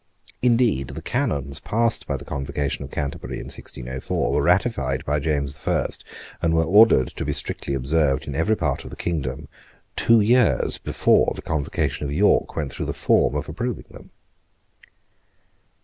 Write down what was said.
Indeed the canons passed by the Convocation of Canterbury in 1604 were ratified by James the First, and were ordered to be strictly observed in every part of the kingdom, two years before the Convocation of York went through the form of approving them.